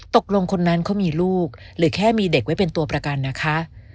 ตกลงคนนั้นเขามีลูกหรือแค่มีเด็กไว้เป็นตัวประกันนะคะ